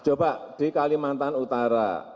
coba di kalimantan utara